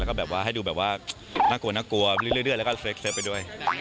แล้วก็แบบว่าให้ดูแบบว่าน่ากลัวเลือกแล้วก็เสิร์ฟไปด้วย